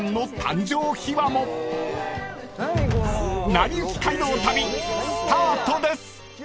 ［『なりゆき街道旅』スタートです］